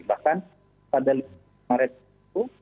bahkan pada lima maret itu